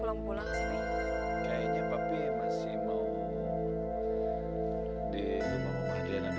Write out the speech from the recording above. ya udah deh terserah bapak